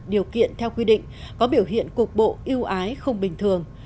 điều kiện theo quy định có biểu hiện cục bộ yêu ái không bình thường